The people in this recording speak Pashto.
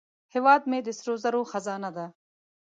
هیواد مې د سرو زرو خزانه ده